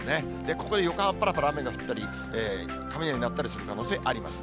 ここで横浜、ぱらぱら雨が降ったり、雷鳴ったりする可能性、あります。